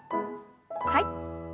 はい。